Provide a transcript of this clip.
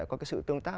có cái sự tương tác